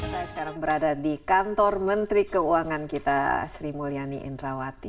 saya sekarang berada di kantor menteri keuangan kita sri mulyani indrawati